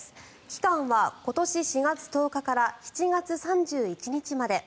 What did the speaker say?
期間は今年４月１０日から７月３１日まで。